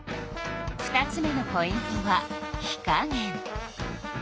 ２つ目のポイントは火加減。